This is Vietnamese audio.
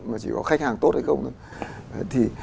mà chỉ có khách hàng tốt hay không thôi